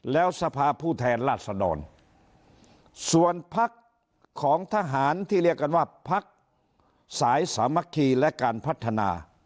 แล้วสภาพผู้แทนราชดรส่วนพักของทหารที่เรียกกันว่าพักสายสามัคคีและการพัฒนา